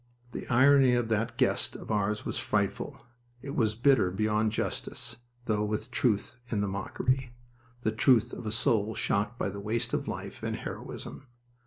The irony of that guest of ours was frightful. It was bitter beyond justice, though with truth in the mockery, the truth of a soul shocked by the waste of life and heroism